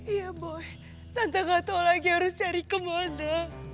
iya boy tante gak tau lagi harus cari kemana